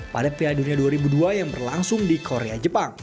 pada piala dunia dua ribu dua yang berlangsung di korea jepang